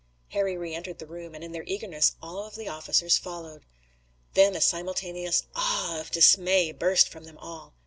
Harry reentered the room, and in their eagerness all of the officers followed. Then a simultaneous "Ah!" of dismay burst from them all.